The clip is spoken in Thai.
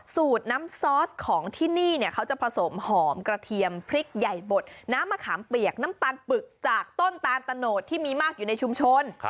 สูตรน้ำซอสของที่นี่เนี่ยเขาจะผสมหอมกระเทียมพริกใหญ่บดน้ำมะขามเปียกน้ำตาลปึกจากต้นตาลตะโนดที่มีมากอยู่ในชุมชน